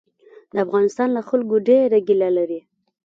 د افغانستان له خلکو ډېره ګیله لري.